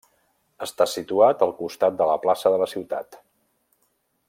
Està situat al costat de la plaça de la ciutat.